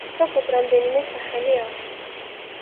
სოფელს რამდენიმე სახელი აქვს.